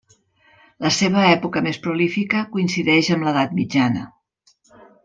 La seva època més prolífica coincideix amb l'Edat Mitjana.